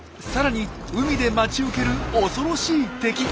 さらに海で待ち受ける恐ろしい敵。